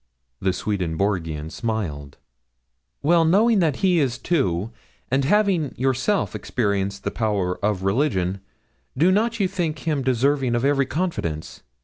The Swedenborgian smiled. 'Well, knowing that he is so too, and having yourself experienced the power of religion, do not you think him deserving of every confidence?